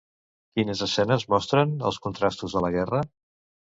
Quines escenes mostren els contrastos de la guerra?